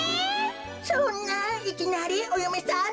そんないきなりおよめさんだなんて。